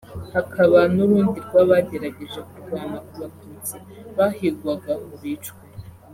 hakaba n’urundi rw’abagerageje kurwana ku Batutsi bahigwaga ngo bicwe